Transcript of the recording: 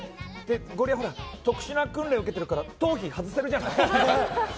ゴリエ、ほら、特殊な訓練受けてるから頭皮外せるじゃない。